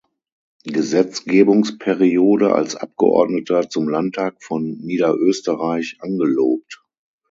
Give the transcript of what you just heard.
Gesetzgebungsperiode als Abgeordneter zum Landtag von Niederösterreich angelobt.